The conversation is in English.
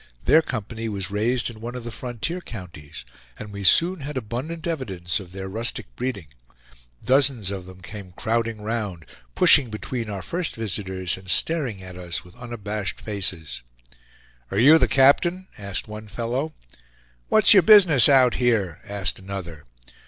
Their company was raised in one of the frontier counties, and we soon had abundant evidence of their rustic breeding; dozens of them came crowding round, pushing between our first visitors and staring at us with unabashed faces. "Are you the captain?" asked one fellow. "What's your business out here?" asked another.